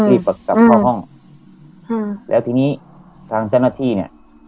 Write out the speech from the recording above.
กลับเข้าห้องค่ะแล้วทีนี้ทางเจ้าหน้าที่เนี่ย